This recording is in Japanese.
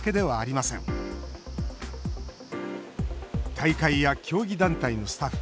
大会や競技団体のスタッフ